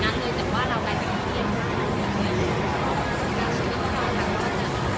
ไม่ได้ทำอะไรที่ไม่ได้ทำอะไรที่ให้หาย